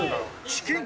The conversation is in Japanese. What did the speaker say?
チキン？